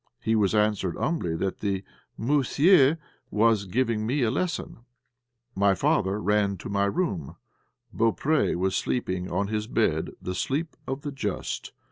He was answered humbly that the "moussié" was giving me a lesson. My father ran to my room. Beaupré was sleeping on his bed the sleep of the just.